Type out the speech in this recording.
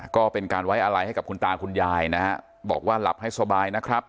ก็เป็นการไว้อะไรให้กับคุณตาคุณยายนะฮะบอกว่าหลับให้สบายนะครับ